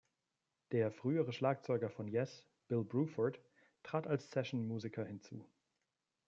Der frühere Schlagzeuger von Yes, Bill Bruford, trat als Sessionmusiker hinzu.